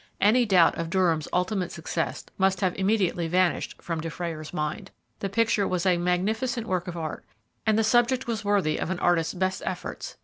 Any doubt of Durham's ultimate success must have immediately vanished from Dufrayer's mind. The picture was a magnificent work of art, and the subject was worthy of an artist's best efforts.